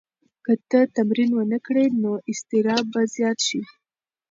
که ته تمرین ونه کړې نو اضطراب به زیات شي.